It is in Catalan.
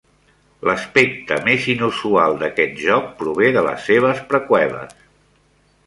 L"aspecte més inusual d"aquest joc prové de les seves preqüeles.